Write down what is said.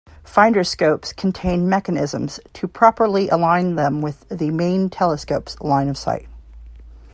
Finderscopes contain mechanisms to properly align them with the main telescope's line of sight.